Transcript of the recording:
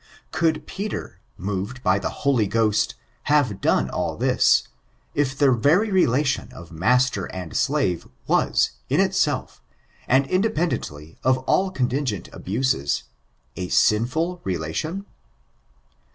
Could Peter, moved by the Holy Ghost, have done all this, if the very relation of master and slave, was, in itself, and, independently of all contingent abuses, a sinful relation